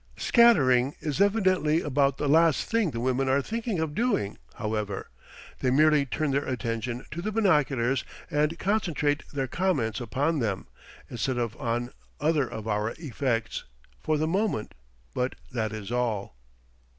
Scattering is evidently about the last thing the women are thinking of doing, however; they merely turn their attention to the binoculars and concentrate their comments upon them instead of on other of our effects, for the moment, but that is all.